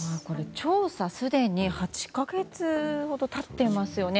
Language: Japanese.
調査はすでに８か月ほど経っていますよね。